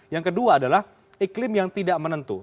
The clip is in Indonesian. yang kedua adalah iklim yang tidak menentu